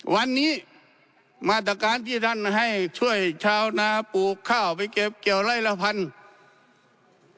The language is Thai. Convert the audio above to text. วันนี้มาตรการที่ท่านให้ช่วยชาวนาปลูกข้าวไปเก็บเกี่ยวไล่ละพันธุ์